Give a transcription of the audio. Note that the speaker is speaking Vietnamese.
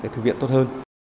thư viện tốt hơn